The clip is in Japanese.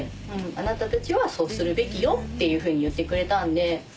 あなたたちはそうするべきよっていうふうに言ってくれたんで。